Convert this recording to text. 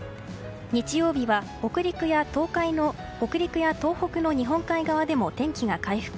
日曜日は北陸や東北の日本海側でも天気が回復。